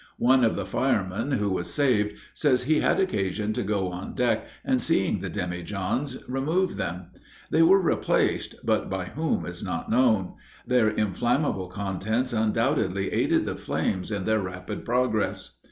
One of the firemen who was saved, says he had occasion to go on deck, and seeing the demijons, removed them. They were replaced, but by whom is not known. Their inflammable contents undoubtedly aided the flames in their rapid progress.